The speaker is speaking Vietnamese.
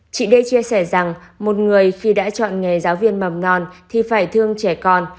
chị đê chia sẻ rằng một người khi đã chọn nghề giáo viên mầm non thì phải thương trẻ còn